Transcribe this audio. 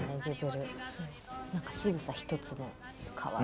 何かしぐさ一つもかわいい。